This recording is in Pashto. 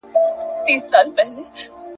د ارغنداب سیند د اوبو د کمښت مخنیوی باید وسي.